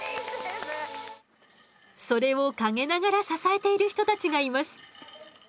それを陰ながら支えている人たちがいます。